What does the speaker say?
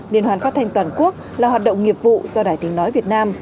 liên hoàn phát thanh toàn quốc là hoạt động nghiệp vụ do đài tiếng nói việt nam